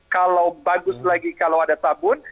kalau bagus lagi kalau ada sabun